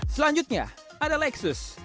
selanjutnya ada lexus